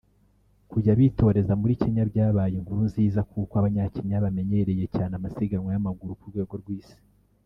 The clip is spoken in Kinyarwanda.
kujya bitoreza muri Kenya byabaye inkuru nziza kuko Abanyakenya bamenyereye cyane amasiganwa y’amaguru ku rwego rw ;isi